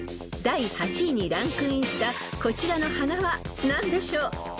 ［第８位にランクインしたこちらの花は何でしょう？］